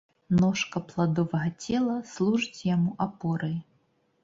Ножка пладовага цела служыць яму апорай.